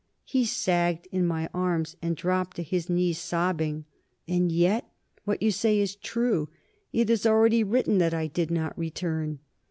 He sagged in my arms and dropped to his knees, sobbing. "And yet ... what you say is true. It is already written that I did not return."